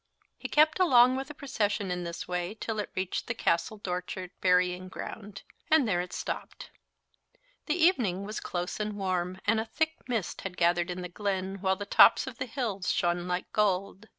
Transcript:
He kept along with the procession in this way till it reached the Castle Dochart burying ground, and there it stopped. The evening was close and warm, and a thick mist had gathered in the glen, while the tops of the hills shone like gold.